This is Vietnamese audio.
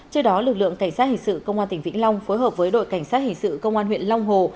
trước đó lực lượng cảnh sát hình sự công an tỉnh vĩnh long phối hợp với đội cảnh sát hình sự công an huyện long hồ